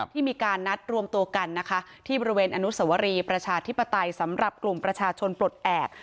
มีการนัดรวมตัวกันนะคะที่บริเวณอนุสวรีประชาธิปไตยสำหรับกลุ่มประชาชนปลดแอบ